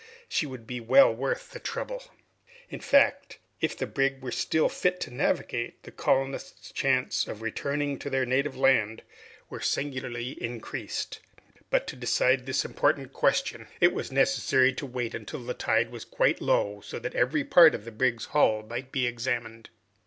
She would be well worth the trouble!" In fact, if the brig was still fit to navigate, the colonists' chances of returning to their native land were singularly increased. But, to decide this important question, it was necessary to wait until the tide was quite low, so that every part of the brig's hull might be examined.